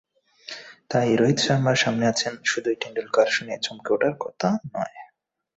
তাই রোহিত শর্মার সামনে আছেন শুধুই টেন্ডুলকার শুনে চমকে ওঠার কথা নয়।